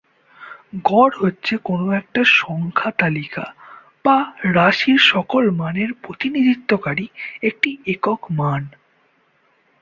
গড় হচ্ছে কোনো একটা সংখ্যা তালিকা বা রাশির সকল মানকে প্রতিনিধিত্বকারী একটি একক মান।